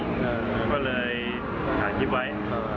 ตกเลยขายทีมไว้